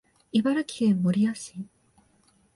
茨城県守谷市